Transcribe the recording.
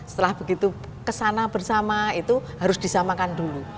setelah begitu kesana bersama itu harus disamakan dulu